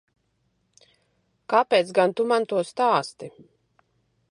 Kāpēc gan Tu man to stāsti?